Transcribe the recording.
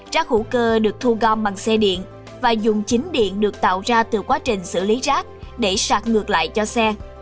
rác hữu cơ được thu gom bằng xe điện và dùng chính điện được tạo ra từ quá trình xử lý rác để sạc ngược lại cho xe